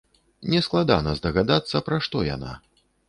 Нескладана здагадацца, пра што яна.